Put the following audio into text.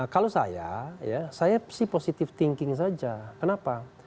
kalau saya ya saya sih positive thinking saja kenapa